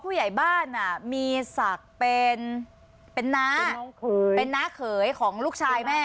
ผู้ใหญ่บ้านอ่ะมีศักดิ์เป็นเป็นน้าเป็นน้องเขยเป็นน้าเขยของลูกชายแม่